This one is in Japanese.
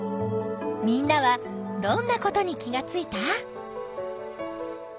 みんなはどんなことに気がついた？